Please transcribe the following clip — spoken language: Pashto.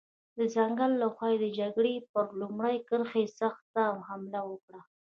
د ځنګل له خوا یې د جګړې پر لومړۍ کرښې سخته حمله وکړه.